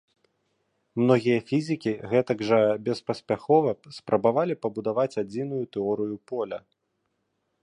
Многія фізікі гэтак жа беспаспяхова спрабавалі пабудаваць адзіную тэорыю поля.